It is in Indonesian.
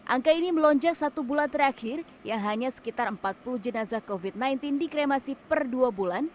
angka ini melonjak satu bulan terakhir yang hanya sekitar empat puluh jenazah covid sembilan belas dikremasi per dua bulan